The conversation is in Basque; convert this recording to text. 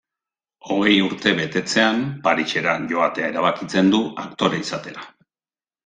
Hogei urte betetzean, Parisera joatea erabakitzen du, aktore izatera.